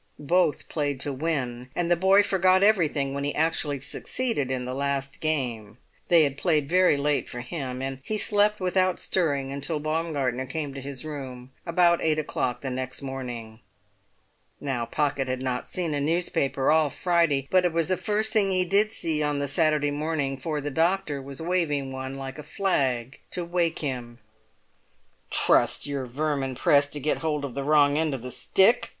Both played to win, and the boy forgot everything when he actually succeeded in the last game. They had played very late for him, and he slept without stirring until Baumgartner came to his room about eight o'clock next morning. Now Pocket had not seen a newspaper all Friday, but it was the first thing he did see on the Saturday morning, for the doctor was waving one like a flag to wake him. "Trust your vermin press to get hold of the wrong end of the stick!"